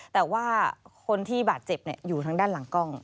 แต่ว่าคนที่บาดเจ็บอยู่ทางด้านหลังกล้อง